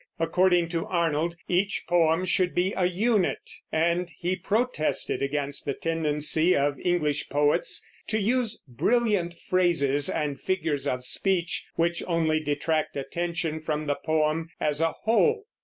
According to Arnold, each poem should be a unit, and he protested against the tendency of English poets to use brilliant phrases and figures of speech which only detract attention from the poem as a whole.